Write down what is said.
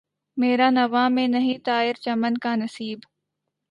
مری نوا میں نہیں طائر چمن کا نصیب